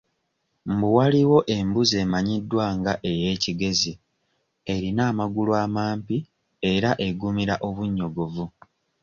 Mbu waliwo embuzi emanyiddwa nga ey'e Kigezi erina amagulu amampi era egumira obunnyogovu.